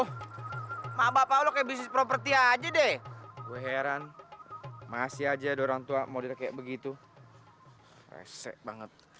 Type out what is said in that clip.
hai mabyes property aja deh gue heran mengasih aja dorang tua mau di kayak begitu resep banget